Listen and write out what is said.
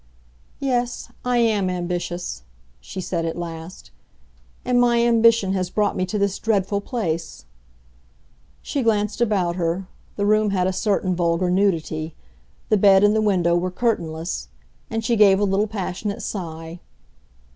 "Yes, I am ambitious," she said at last. "And my ambition has brought me to this dreadful place!" She glanced about her—the room had a certain vulgar nudity; the bed and the window were curtainless—and she gave a little passionate sigh.